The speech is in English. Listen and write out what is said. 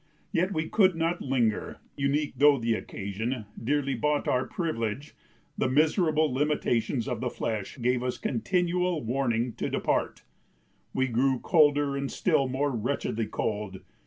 Yet we could not linger, unique though the occasion, dearly bought our privilege; the miserable limitations of the flesh gave us continual warning to depart; we grew colder and still more wretchedly cold.